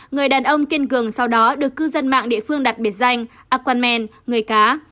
người đàn ông kiên cường sau đó được cư dân mạng địa phương đặt biệt danh aquaman người cá